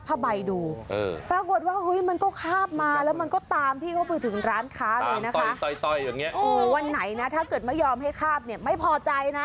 ใบดูปรากฏว่าเฮ้ยมันก็คาบมาแล้วมันก็ตามพี่เขาไปถึงร้านค้าเลยนะคะวันไหนนะถ้าเกิดไม่ยอมให้คาบเนี่ยไม่พอใจนะ